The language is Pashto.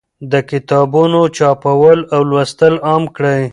د کتابونو چاپول او لوستل عام کړئ.